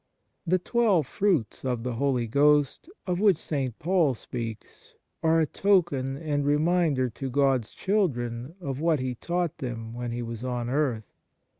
The twelve fruits of the Holy Ghost of which St. Paul speaks are a token and reminder to God s children of what He taught them when He was on earth.